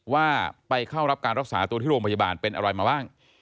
ว่าไปเข้ารับการรักษาตัวที่โรงพยาบาลเป็นอะไรมาบ้าง